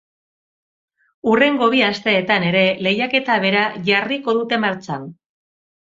Hurrengo bi asteetan ere lehiaketa bera jarriko dute martxan.